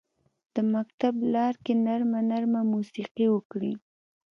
د مکتب لارکې نرمه، نرمه موسیقي وکري